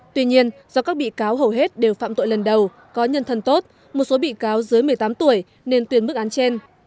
tuy nhiên do các bị cáo hầu hết đều phạm tội lần đầu có nhân thân tốt một số bị cáo dưới một mươi tám tuổi nên tuyên bức án trên